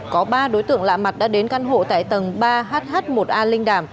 có ba đối tượng lạ mặt đã đến căn hộ tại tầng ba hh một a linh đàm